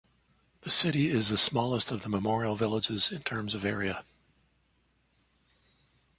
The city is the smallest of the Memorial Villages in terms of area.